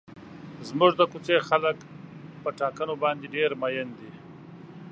زموږ د کوڅې خلک په ټاکنو باندې ډېر مین دي.